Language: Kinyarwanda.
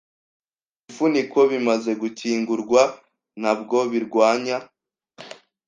Ibifuniko bimaze gukingurwa ntabwo birwanya